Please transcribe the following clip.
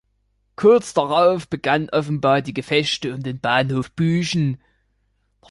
Kurz darauf begannen offenbar die Gefechte um den Bahnhof Büchen.